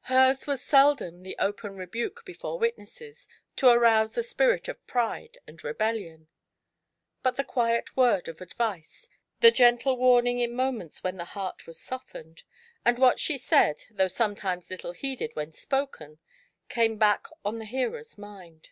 Hers was seldom the open re 90 GIANT HATE. buke before wituesses, to arouse the spirit of pride and rebellion; but the quiet word of advice, the gentle warn ing in moments when the heart was softened; and what she said, though sometimes little heeded when spoken, came back on the hearer's mind.